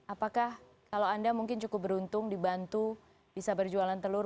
apakah kalau anda mungkin cukup beruntung dibantu bisa berjualan telur